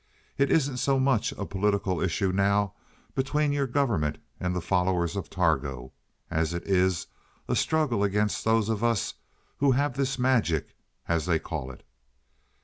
It isn't so much a political issue now between your government and the followers of Targo, as it is a struggle against those of us who have this magic, as they call it."